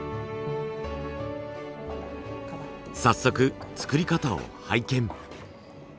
早速作り方を拝見。